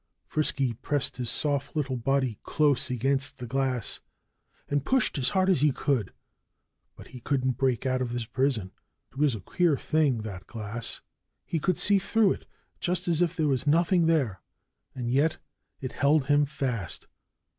Frisky pressed his soft little body close against the glass and pushed as hard as he could. But he couldn't break out of his prison. It was a queer thing that glass! He could see through it just as if there was nothing there; and yet it held him fast.